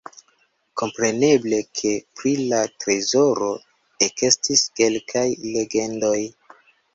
Kompreneble, ke pri la trezoro ekestis kelkaj legendoj.